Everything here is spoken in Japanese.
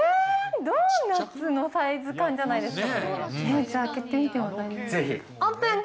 ドーナツのサイズ感じゃないですか？